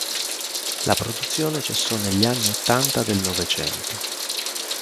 La produzione cessò negli anni ottanta del novecento.